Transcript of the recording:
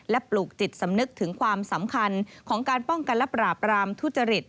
และปลูกจิตสำนึกถึงความสำคัญของการป้องกันและปราบรามทุจริต